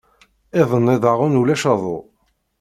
Iḍ-nni daɣen ulac aḍu.